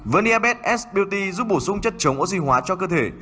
verniabed s beauty giúp bổ sung chất chống oxy hóa cho cơ thể